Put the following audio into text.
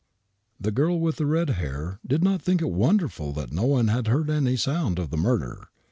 The girl with the red hair did not think it wonderful that no one had heard any sound of the murder.